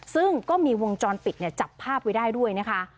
ซึ่งก็มีวงจรปิดจับภาพไว้ได้ด้วยนะคะ